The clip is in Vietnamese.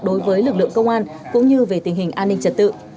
đối với lực lượng công an cũng như về tình hình an ninh trật tự